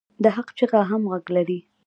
د حق چیغه هم غږ لري